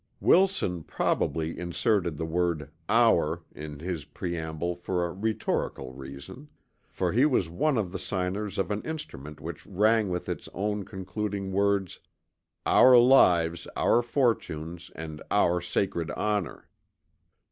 Wilson probably inserted the word "our," in his preamble for a rhetorical reason; for he was one of the signers of an instrument which rang with its own concluding words "OUR LIVES, OUR FORTUNES AND OUR SACRED HONOR."